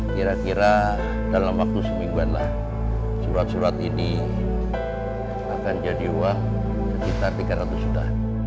kira kira dalam waktu semingguan lah surat surat ini akan jadi uang sekitar tiga ratus juta